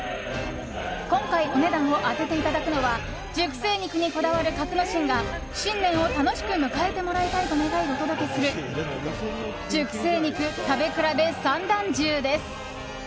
今回お値段を当てていただくのは熟成肉にこだわる格之進が新年を楽しく迎えてもらいたいと思い、お届けする熟成肉食べ比べ三段重です。